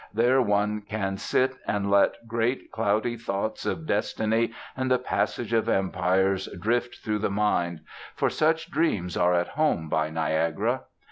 There one can sit and let great cloudy thoughts of destiny and the passage of empires drift through the mind; for such dreams are at home by Niagara.